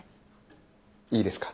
いいですか？